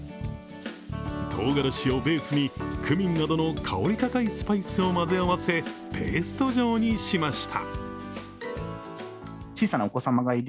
とうがらしをベースにクミンなどの香り高いスパイスを混ぜ合わせペースト状にしました。